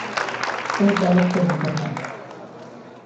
Outra vez por Internet.